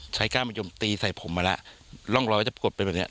ก้านมะยมตีใส่ผมมาแล้วร่องรอยจะกดเป็นแบบเนี้ย